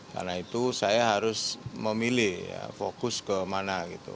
karena itu saya harus memilih fokus ke mana gitu